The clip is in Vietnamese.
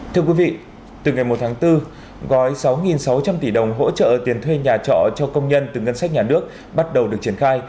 thưa quý vị từ ngày một tháng bốn gói sáu sáu trăm linh tỷ đồng hỗ trợ tiền thuê nhà trọ cho công nhân từ ngân sách nhà nước bắt đầu được triển khai